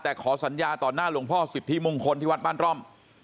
แต่ขอสัญญาต่อหน้าหลวงพ่อสิทธิมงคลที่วัดบ้านร่อม